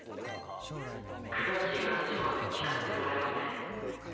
詳しい話を聞かせてもらえますね？